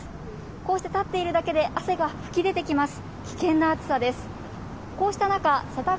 こうして立っているだけで汗が噴き出てきます。